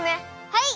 はい！